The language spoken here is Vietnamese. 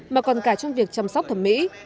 mà còn cả trong việc chăm sóc thẩm mỹ